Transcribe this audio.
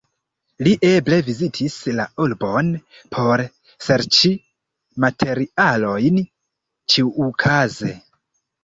Li eble vizitis la urbon por serĉi materialojn ĉiukaze.